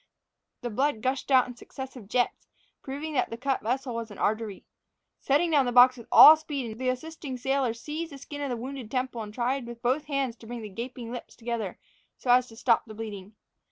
The blood gushed out in successive jets, proving that the cut vessel was an artery. Setting down the box with all speed, the assisting sailor seized the skin of the wounded temple and tried with both hands to bring the gaping lips together, so as to stop the bleeding.